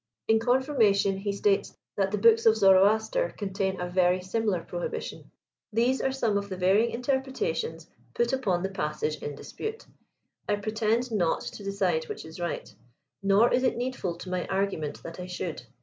In confirmation, he states that the books of Zoroaster contain a very similar prohibition." These are some of the varying interpretations put upoii the passage in dispute. I pretend not to decide which is right, nor is it needful to my argument that I should.